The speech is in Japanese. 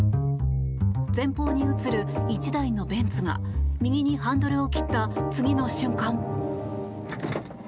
前方に映る１台のベンツが右にハンドルを切った次の瞬間。